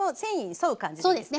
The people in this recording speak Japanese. そうですね。